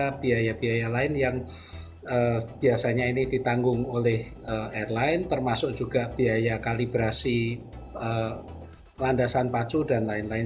ada biaya biaya lain yang biasanya ini ditanggung oleh airline termasuk juga biaya kalibrasi landasan pacu dan lain lain